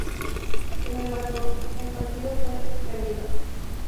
Sin embargo, el partido fue suspendido.